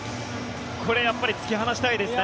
これ、やっぱり突き放したいですね。